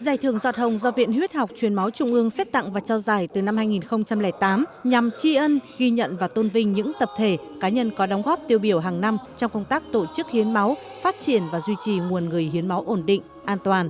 giải thưởng giọt hồng do viện huyết học truyền máu trung ương xét tặng và trao giải từ năm hai nghìn tám nhằm tri ân ghi nhận và tôn vinh những tập thể cá nhân có đóng góp tiêu biểu hàng năm trong công tác tổ chức hiến máu phát triển và duy trì nguồn người hiến máu ổn định an toàn